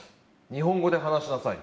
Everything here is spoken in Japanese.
日本語で話しなさい。